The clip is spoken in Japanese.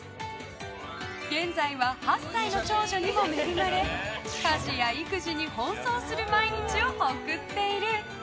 現在は８歳の長女にも恵まれ家事や育児に奔走する毎日を送っている。